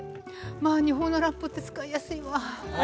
ああ、日本のラップって使いやすいわ。